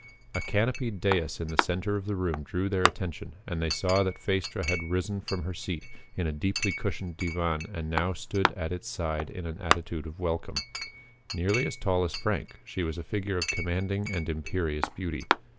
A canopied dais in the center of the room drew their attention and they saw that Phaestra had risen from her seat in a deeply cushioned divan and now stood at its side in an attitude of welcome. Nearly as tall as Frank, she was a figure of commanding and imperious beauty.